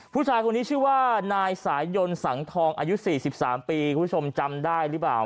ผู้ชายคนนี้ชื่อว่านายสายยนต์สังทองอายุ๔๓ปีคุณผู้ชมจำได้หรือเปล่า